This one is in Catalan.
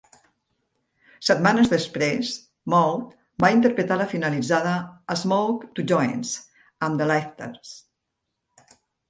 Setmanes després, Mawg va interpretar la finalitzada "Smoke Two Joints" amb "The Lifters".